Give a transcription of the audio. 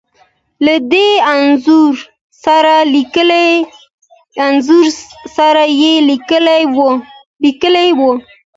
له دې انځور سره يې ليکلې وو .